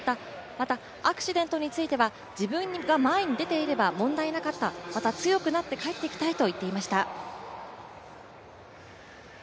またアクシデントについては、自分が前に出ていれば問題なかったまた強くなって帰ってきたいと言っています。